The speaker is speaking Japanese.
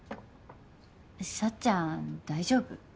幸ちゃん大丈夫？